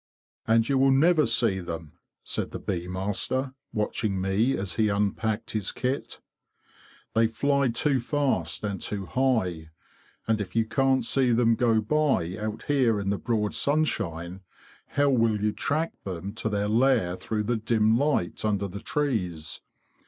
"And you will never see them," said the bee master, watching me as he unpacked his kit. '« They fly too fast and too high. And if you can't see them go by out here in the broad sunshine, how will you track them to their lair through the dim light under the trees?